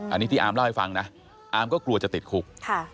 อันนี้ที่อาร์มเล่าให้ฟังนะอาร์มก็กลัวจะติดคุก